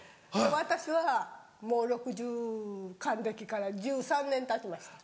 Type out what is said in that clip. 私はもう６０還暦から１３年たちました。